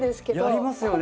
やりますよね。